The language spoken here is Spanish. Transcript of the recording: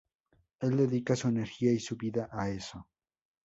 Él dedica su energía y su vida a eso.